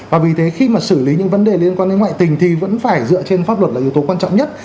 và vì thế khi mà xử lý những vấn đề liên quan đến ngoại tình thì vẫn phải dựa trên pháp luật là yếu tố quan trọng nhất